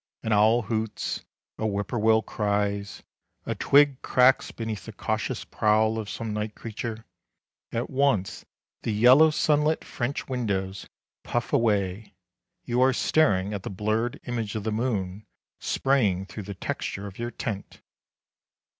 An owl hoots, a whippoorwill cries, a twig cracks beneath the cautious prowl of some night creature—at once the yellow sunlit French windows puff away—you are staring at the blurred image of the moon spraying through the texture of your tent."